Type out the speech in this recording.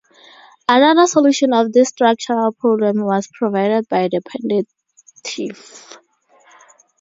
Another solution of this structural problem was provided by the pendentive.